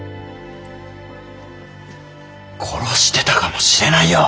殺してたかもしれないよ。